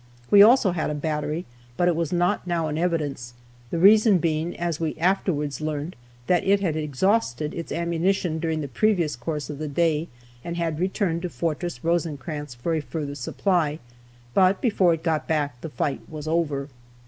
We also had a battery, but it was not now in evidence, the reason being as we afterwards learned, that it had exhausted its ammunition during the previous course of the day, and had returned to Fortress Rosecrans for a further supply, but before it got back the fight was over.